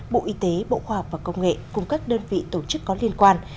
bộ y tế bộ khoa học và công nghệ cùng các đơn vị tổ chức có liên quan